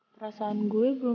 perasaan gue belum berubah